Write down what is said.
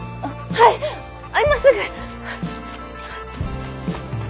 はい今すぐ！